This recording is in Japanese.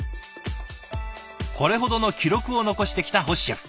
これほどの記録を残してきた星シェフ。